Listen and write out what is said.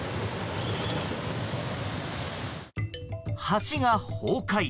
橋が崩壊。